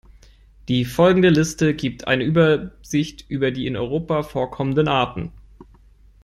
Die folgende Liste gibt eine Übersicht über die in Europa vorkommenden Arten.